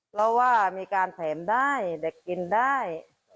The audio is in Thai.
เพราะว่ามีการแถมได้เด็กกินได้